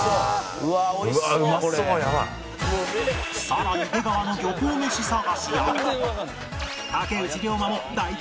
さらに出川の漁港メシ探しや